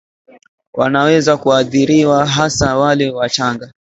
wanaweza kuathiriwa hasa wale wachanga